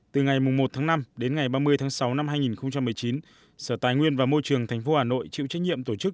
từ ngày một năm đến ngày ba mươi sáu hai nghìn một mươi chín sở tài nguyên và môi trường tp hà nội chịu trách nhiệm tổ chức